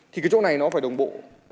thì cái chỗ này nó phải đồng bộ